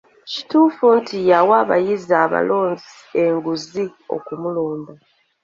Kituufu nti yawa abayizi abalonzi enguzi okumulonda?